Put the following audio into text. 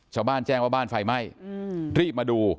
ชาวบ้านแจ้งว่าบ้านไฟไหม้รีบมาดู